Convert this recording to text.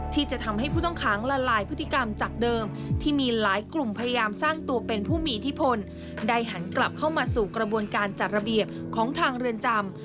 ที่จะทำให้ผู้ต้องขังละลายพฤติกรรมจากเดิมที่มีหลายกลุ่มพยายามสร้างตัวเป็นผู้มีอิทธิพลได้หันกลับเข้ามาสู่กระบวนการจัดระเบียบของทางเรือนจำ